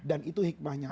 dan itu hikmahnya